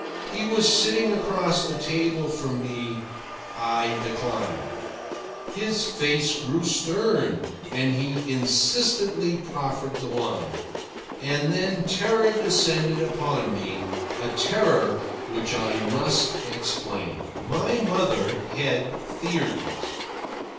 He was sitting across the table from me. I declined. His face grew stern, and he insistently proffered the wine. And then terror descended upon me a terror which I must explain. My mother had theories.